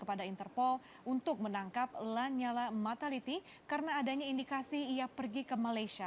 kepada interpol untuk menangkap lanyala mataliti karena adanya indikasi ia pergi ke malaysia